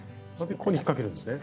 ここに引っ掛けるんですね。